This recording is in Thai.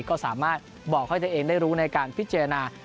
ก็สามารถบอกให้ตัวเองได้รู้ในการพิจารณา